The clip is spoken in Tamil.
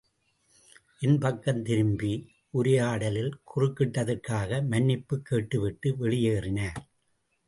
என் பக்கம் திரும்பி, உரையாடலில் குறுக்கிட்டதற்காக, மன்னிப்புக் கேட்டுவிட்டு வெளியேறினார்.